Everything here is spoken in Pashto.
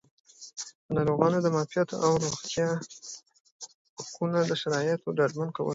د ناروغانو د معافیت او روغتیایي حقونو د شرایطو ډاډمن کول